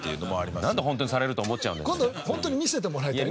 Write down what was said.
なんでホントにされると思っちゃうんだよ。